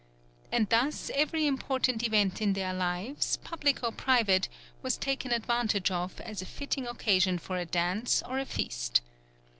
And thus every important event in their lives, public or private, was taken advantage of as a fitting occasion for a dance or a feast.